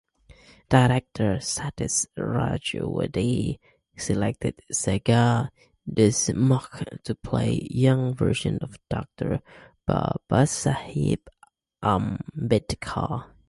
Director Satish Rajwade selected Sagar Deshmukh to played young version of Doctor Babasaheb Ambedkar.